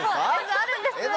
あるんです！